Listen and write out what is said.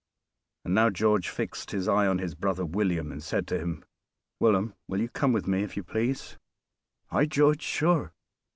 And now George fixed his eye on his brother William, and said to him, "Wilham, will you come with me, if you please?" "Ay, George, sure."